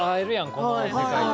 この世界って。